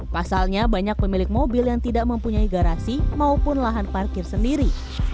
pasalnya banyak pemilik mobil yang tidak mempunyai garasi maupun lahan parkir sendiri